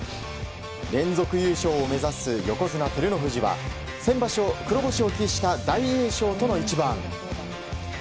連続優勝を目指す横綱・照ノ富士は先場所、黒星を喫した大栄翔との一番。